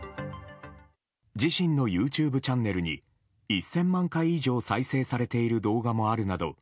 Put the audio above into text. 自身のＹｏｕＴｕｂｅチャンネルに１０００万回以上再生されている動画もあるなど